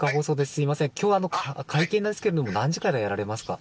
すみません、きょう会見ですけれども、何時からやられますか？